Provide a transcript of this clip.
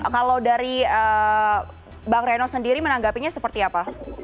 kalau dari bang reno sendiri menanggapinya seperti apa